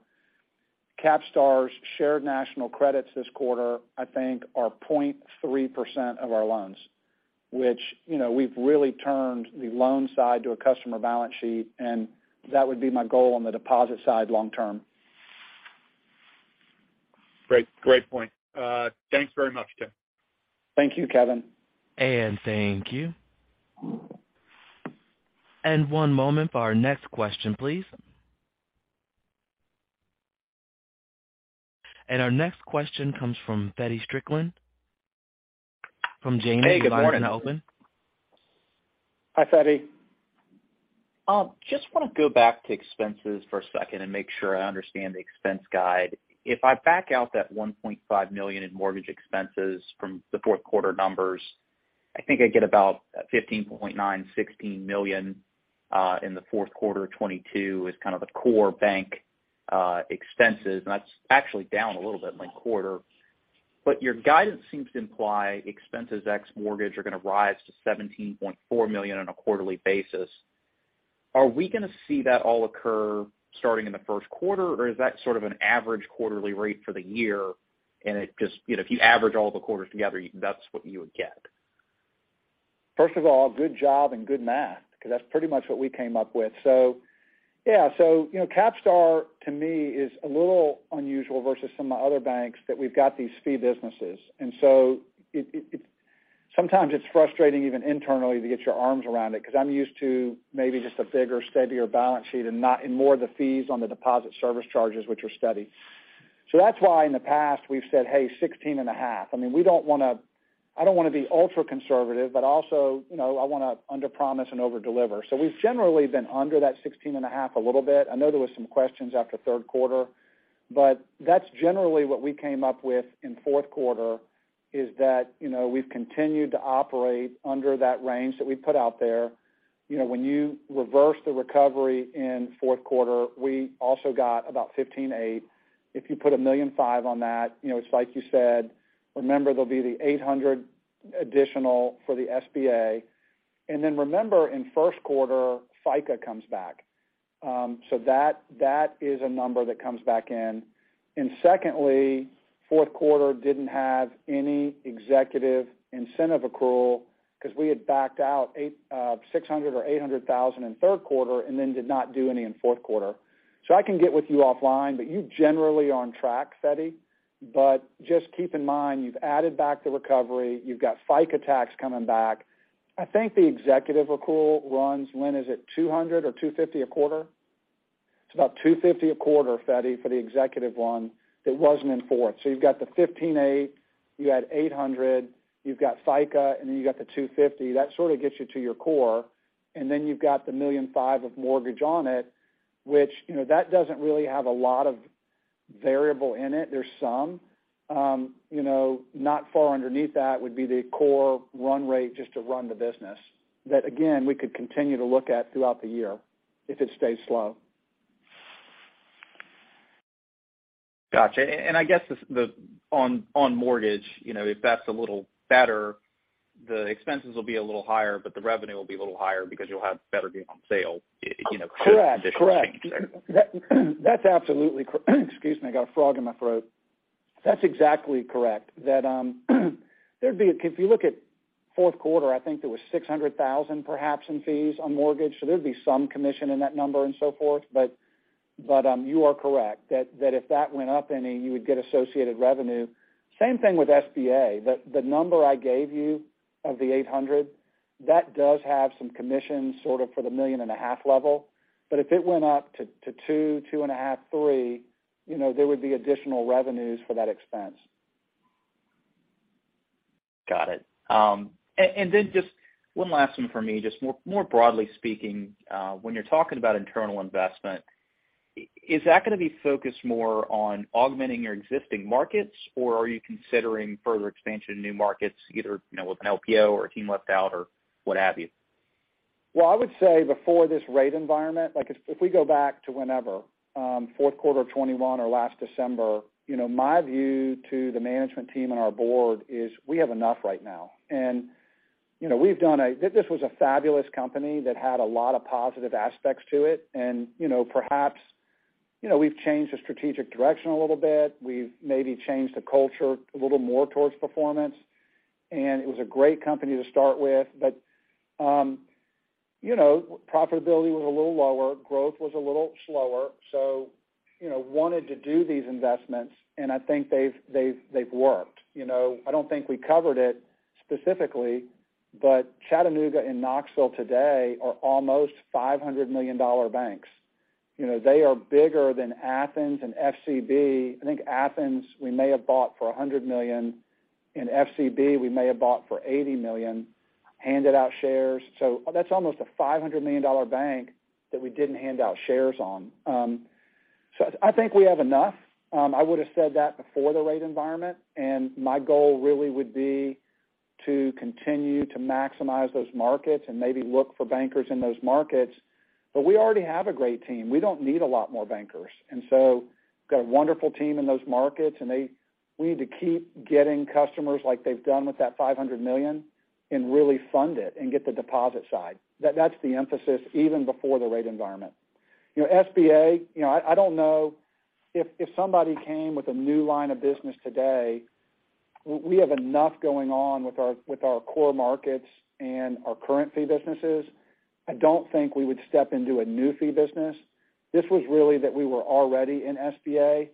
CapStar's Shared National Credits this quarter, I think, are 0.3% of our loans, which, you know, we've really turned the loan side to a customer balance sheet, and that would be my goal on the deposit side long term. Great. Great point. Thanks very much, Tim. Thank you, Kevin. Thank you. One moment for our next question, please. Our next question comes from Feddie Strickland from Janney- Hey, good morning.... with line open. Hi, Feddie. Just want to go back to expenses for a second and make sure I understand the expense guide. If I back out that $1.5 million in mortgage expenses from the fourth quarter numbers, I think I get about $15.9 million-$16 million in the fourth quarter. 2022 is kind of the core bank expenses, and that's actually down a little bit linked quarter. Your guidance seems to imply expenses ex mortgage are going to rise to $17.4 million on a quarterly basis. Are we going to see that all occur starting in the first quarter, or is that sort of an average quarterly rate for the year, and it just, you know, if you average all the quarters together, that's what you would get? First of all, good job and good math because that's pretty much what we came up with. Yeah. You know, CapStar to me is a little unusual versus some of the other banks that we've got these fee businesses. It's sometimes it's frustrating even internally to get your arms around it because I'm used to maybe just a bigger, steadier balance sheet and not in more of the fees on the deposit service charges, which are steady. That's why in the past we've said, "Hey, 16.5." I mean, we don't wanna I don't wanna be ultra-conservative, but also, you know, I wanna underpromise and overdeliver. We've generally been under that 16.5 a little bit. I know there was some questions after third quarter, but that's generally what we came up with in fourth quarter, is that, you know, we've continued to operate under that range that we put out there. You know, when you reverse the recovery in fourth quarter, we also got about $15.8 million. If you put $1.5 million on that, you know, it's like you said, remember there'll be the $800,000 additional for the SBA. Remember in first quarter, FICA comes back. That, that is a number that comes back in. Secondly, fourth quarter didn't have any executive incentive accrual because we had backed out eight, $600,000 or $800,000 in third quarter and then did not do any in fourth quarter. I can get with you offline, but you're generally on track, Feddie. Just keep in mind, you've added back the recovery. You've got FICA tax coming back. I think the executive accrual runs, when is it? $200 or $250 a quarter? It's about $250 a quarter, Feddie, for the executive one that wasn't in fourth. You've got the $15.8, you add $800, you've got FICA, and then you got the $250. That sort of gets you to your core. Then you've got the $1.5 million of mortgage on it, which, you know, that doesn't really have a lot of variable in it. There's some. You know, not far underneath that would be the core run rate just to run the business that again, we could continue to look at throughout the year if it stays slow. Gotcha. I guess, on mortgage, you know, if that's a little better, the expenses will be a little higher, but the revenue will be a little higher because you'll have better deals on sale, you know, conditions change there. Correct. That's absolutely correct. If you look at fourth quarter, I think there was $600,000 perhaps in fees on mortgage, so there'd be some commission in that number and so forth. You are correct that if that went up any, you would get associated revenue. Same thing with SBA. The number I gave you of the $800, that does have some commissions sort of for the $1.5 million level. If it went up to $2 million, $2.5 million, $3 million, you know, there would be additional revenues for that expense. Got it. Just one last one for me, just more broadly speaking. When you're talking about internal investment, is that gonna be focused more on augmenting your existing markets, or are you considering further expansion in new markets, either, you know, with an LPO or a team left out or what have you? Well, I would say before this rate environment, like if we go back to whenever, fourth quarter 2021 or last December, you know, my view to the management team and our board is we have enough right now. You know, we've done a. This was a fabulous company that had a lot of positive aspects to it. You know, perhaps, you know, we've changed the strategic direction a little bit. We've maybe changed the culture a little more towards performance, and it was a great company to start with. You know, profitability was a little lower, growth was a little slower. You know, wanted to do these investments, and I think they've worked. You know, I don't think we covered it specifically, but Chattanooga and Knoxville today are almost $500 million banks. You know, they are bigger than Athens and FCB. I think Athens, we may have bought for $100 million and FCB, we may have bought for $80 million, handed out shares. That's almost a $500 million bank that we didn't hand out shares on. I think we have enough. I would've said that before the rate environment, and my goal really would be to continue to maximize those markets and maybe look for bankers in those markets. But we already have a great team. We don't need a lot more bankers. We've got a wonderful team in those markets, and they we need to keep getting customers like they've done with that $500 million and really fund it and get the deposit side. That's the emphasis even before the rate environment. You know, SBA, you know, I don't know if somebody came with a new line of business today, we have enough going on with our core markets and our current fee businesses. I don't think we would step into a new fee business. This was really that we were already in SBA.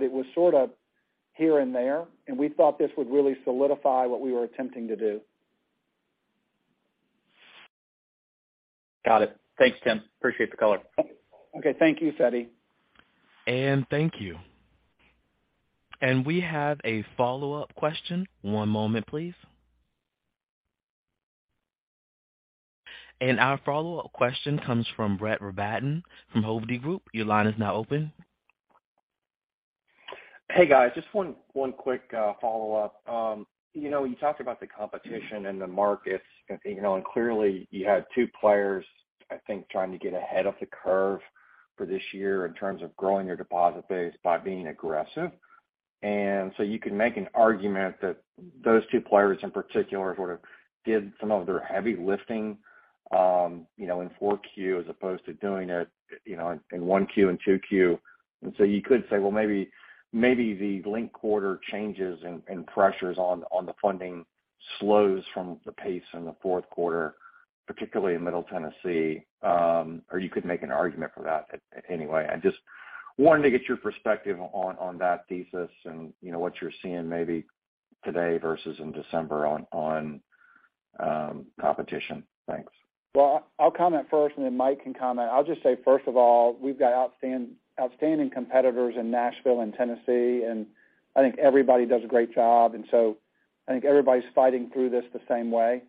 It was sort of here and there, we thought this would really solidify what we were attempting to do. Got it. Thanks, Tim. Appreciate the color. Okay, thank you, Feddie. Thank you. We have a follow-up question. One moment, please. Our follow-up question comes from Brett Rabatin from Hovde Group. Your line is now open. Hey, guys, just one quick follow-up. You know, you talked about the competition and the markets and, you know, and clearly you had two players, I think, trying to get ahead of the curve for this year in terms of growing your deposit base by being aggressive. You can make an argument that those two players in particular sort of did some of their heavy lifting, you know, in Q4 as opposed to doing it, you know, in Q1 and Q2. You could say, well, maybe the linked quarter changes and pressures on the funding slows from the pace in the fourth quarter, particularly in Middle Tennessee, or you could make an argument for that anyway. I just wanted to get your perspective on that thesis and, you know, what you're seeing maybe today versus in December on competition. Thanks. Well, I'll comment first, and then Mike can comment. I'll just say, first of all, we've got outstanding competitors in Nashville and Tennessee, and I think everybody does a great job. I think everybody's fighting through this the same way.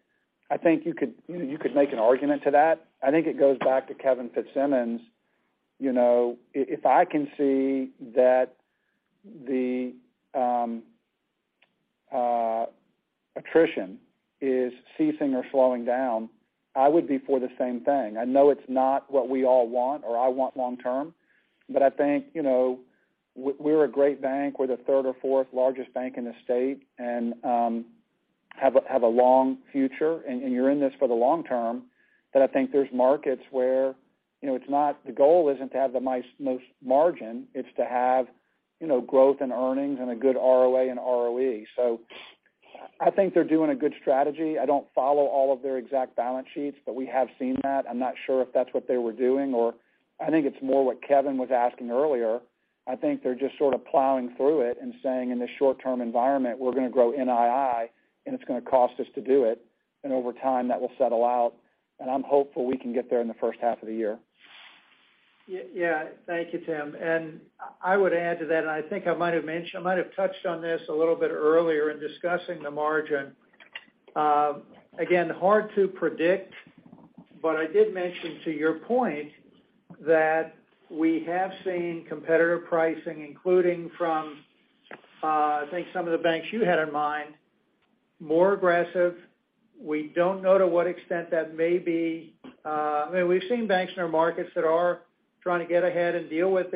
I think you know, you could make an argument to that. I think it goes back to Kevin Fitzsimmons. You know, if I can see that the attrition is ceasing or slowing down, I would be for the same thing. I know it's not what we all want or I want long term, but I think, you know, we're a great bank. We're the third or fourth largest bank in the state and have a long future and you're in this for the long term. I think there's markets where, you know, the goal isn't to have most margin, it's to have, you know, growth in earnings and a good ROA and ROE. I think they're doing a good strategy. I don't follow all of their exact balance sheets, but we have seen that. I'm not sure if that's what they were doing or I think it's more what Kevin was asking earlier. I think they're just sort of plowing through it and saying, in this short-term environment, we're gonna grow NII, and it's gonna cost us to do it. Over time, that will settle out, and I'm hopeful we can get there in the first half of the year. Yeah. Thank you, Tim. I would add to that, and I think I might have mentioned, I might have touched on this a little bit earlier in discussing the margin. Again, hard to predict, but I did mention to your point that we have seen competitor pricing, including from, I think some of the banks you had in mind, more aggressive. We don't know to what extent that may be. I mean, we've seen banks in our markets that are trying to get ahead and deal with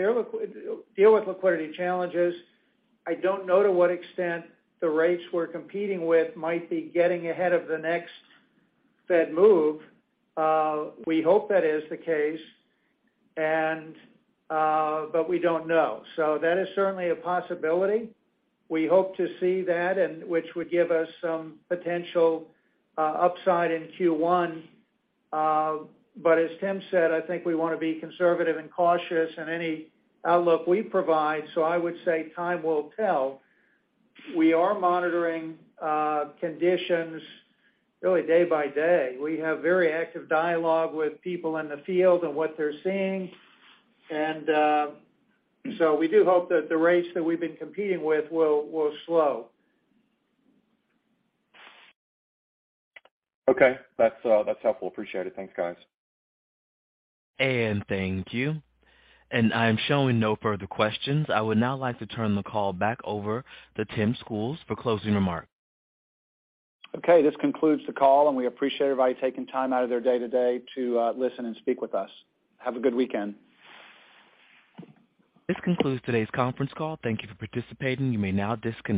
liquidity challenges. I don't know to what extent the rates we're competing with might be getting ahead of the next Fed move. We hope that is the case and, we don't know. That is certainly a possibility. We hope to see that and which would give us some potential upside in Q1. As Tim said, I think we wanna be conservative and cautious in any outlook we provide, so I would say time will tell. We are monitoring conditions really day by day. We have very active dialogue with people in the field on what they're seeing. So we do hope that the rates that we've been competing with will slow. That's helpful. Appreciate it. Thanks, guys. Thank you. I am showing no further questions. I would now like to turn the call back over to Tim Schools for closing remarks. Okay. This concludes the call. We appreciate everybody taking time out of their day today to, listen and speak with us. Have a good weekend. This concludes today's conference call. Thank you for participating. You may now disconnect.